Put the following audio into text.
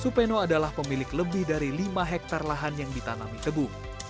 supeno adalah pemilik lebih dari lima hektare lahan yang ditanami tebu